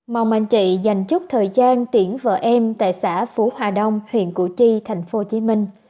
mong anh chị dành chút thời gian tiễn vợ em tại xã phú hòa đông huyện củ chi tp hcm